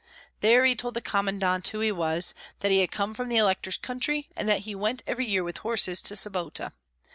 There he told the commandant who he was, that he had come from the elector's country, and that he went every year with horses to Sobota.